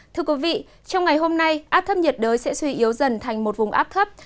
thưa quý vị trong ngày hôm nay áp thấp nhiệt đới sẽ suy yếu dần thành một vùng áp thấp